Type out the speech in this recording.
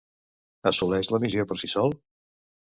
Assoleix la missió per si sol?